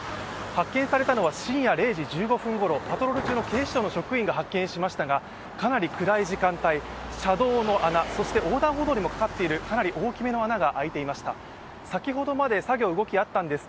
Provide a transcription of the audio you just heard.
発見されたのは深夜０時１５分ごろ、パトロール中の警視庁の職員が発見しましたが、かなり暗い時間帯、車道の穴、そして横断歩道にもかかっているかなり大きめの穴が開いています。